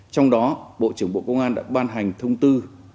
trong đó bộ trưởng bộ công an đã ban hành thông tư